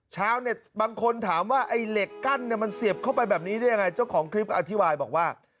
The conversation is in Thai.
ชาวเน็ตบางคนถามว่าไอ้เหล็กกั้นเนี่ยมันเสียบเข้าไปแบบนี้ได้ยังไงเจ้าของคลิปอธิบายบอกว่า